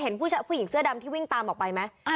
เห็นผู้ผู้หญิงเสื้อดำที่วิ่งตามออกไปไหมอ่า